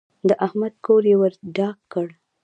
د احمد کور يې ور ډاک کړ.